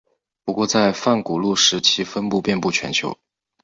不过在泛古陆时其分布遍布全球。